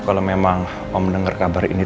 kalo memang om denger kabar ini